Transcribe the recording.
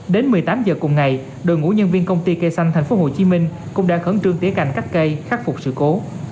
đến một mươi tám giờ cùng ngày đội ngũ nhân viên công ty cây xanh tp hcm cũng đã khẩn trương tỉa cành cắt cây khắc phục sự cố